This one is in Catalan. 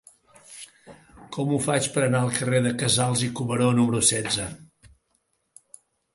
Com ho faig per anar al carrer de Casals i Cuberó número setze?